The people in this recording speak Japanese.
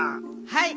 はい！